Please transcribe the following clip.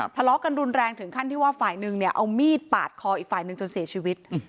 ทะเลาะกันรุนแรงถึงขั้นที่ว่าฝ่ายหนึ่งเนี่ยเอามีดปาดคออีกฝ่ายหนึ่งจนเสียชีวิต